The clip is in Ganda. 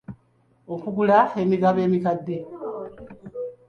Okugula emigabo emikadde.